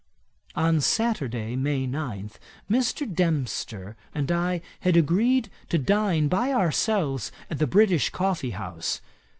On Saturday, May 9, Mr. Dempster and I had agreed to dine by ourselves at the British Coffee house.